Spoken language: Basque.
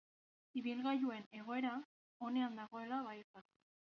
Ibilgailuaren egoera onean dagoela baieztatu.